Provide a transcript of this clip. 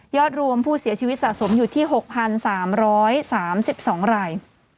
รวมผู้เสียชีวิตสะสมอยู่ที่๖๓๓๒ราย